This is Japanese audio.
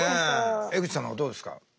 江口さんはどうですか？